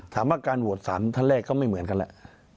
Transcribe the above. ถามว่าการโหวตสารท่านแรกก็ไม่เหมือนกันแหละ